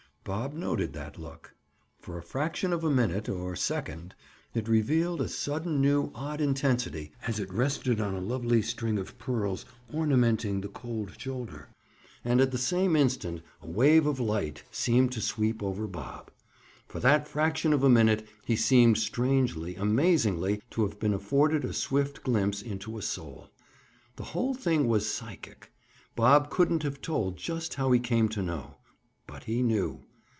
Bob noted that look. For a fraction of a minute, or second, it revealed a sudden new odd intensity as it rested on a lovely string of pearls ornamenting the cold shoulder. And at the same instant a wave of light seemed to sweep over Bob. For that fraction of a minute he seemed strangely, amazingly, to have been afforded a swift glimpse into a soul. The whole thing was psychic. Bob couldn't have told just how he came to know. But he knew.